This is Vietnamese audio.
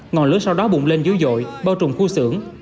ngọn lưới sau đó bụng lên dữ dội bao trùm khu xưởng